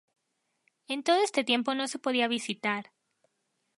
En todo este tiempo no se podía visitar.